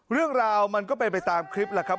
เรื่องราวมันก็เป็นไปตามคลิปแหละครับ